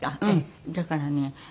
だからね